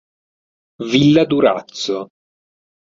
Villa Durazzo